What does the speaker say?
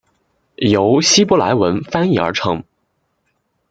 由希伯来文翻译而成。